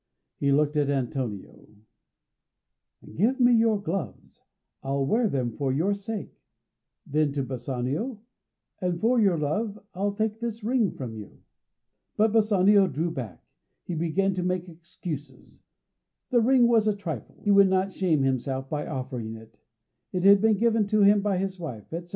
He looked at Antonio. "Give me your gloves; I'll wear them for your sake." Then, to Bassanio: "And for your love I'll take this ring from you." [Illustration: "And for your love I'll take this ring from you."] But Bassanio drew back. He began to make excuses; the ring was a trifle, he would not shame himself by offering it; it had been given to him by his wife, etc.